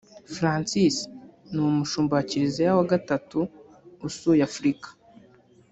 Francis ni umushumba wa Kiliziya wa gatatu usuye Afurika